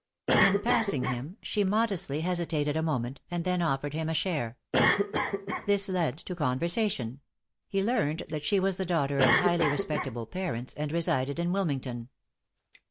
In passing him, she modestly hesitated a moment, and then offered him a share. This led to conversation; he learned that she was the daughter of highly respectable parents, and resided in Wilmington.